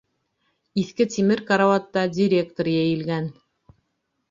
Иҫке тимер карауатта директор йәйелгән.